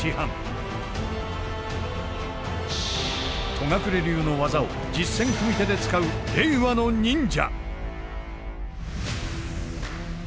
戸隠流の技を実戦組手で使う令和の忍者。